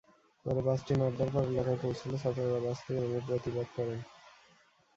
পরে বাসটি নাড্ডার পাড় এলাকায় পৌঁছালে ছাত্ররা বাস থেকে নেমে প্রতিবাদ করেন।